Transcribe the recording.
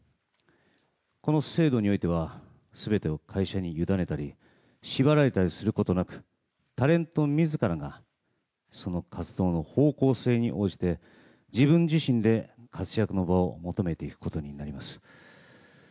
この制度においては全てを会社に委ねたり縛られたりすることなくタレント自らがその活動の方向性に応じて自分自身で活躍の場を求めていくことになります。